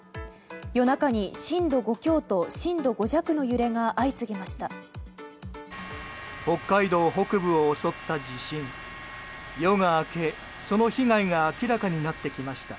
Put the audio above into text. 夜中に震度５強と震度５弱の揺れが相次ぎました。